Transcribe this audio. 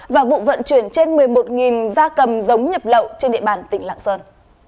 và vụ vận chuyển trên một mươi một gia cầm giống nhập lậu trên địa bàn tỉnh lạng sơn